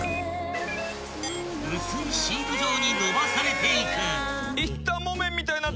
［薄いシート状にのばされていく］